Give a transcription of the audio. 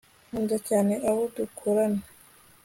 nkunda cyane abo dukorana